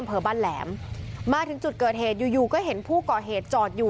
พวกมันต้องกินกันพี่